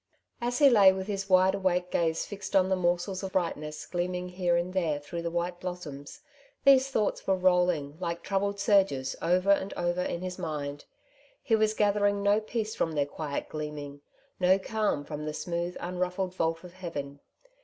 As he lay with his wide awake gaze fixed on the morsels of brightness gleaming here and there through the white blossoms, these thoughts were rolling, like troubled surges, over and over in his mind. He was gathering no peace from their quiet gleaming, no calm from the smooth, unruffled vault of heaven.